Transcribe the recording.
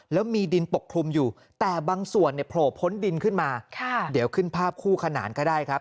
แล้วมีดินปกคลุมอยู่แต่บางส่วนเนี่ยโผล่พ้นดินขึ้นมาเดี๋ยวขึ้นภาพคู่ขนานก็ได้ครับ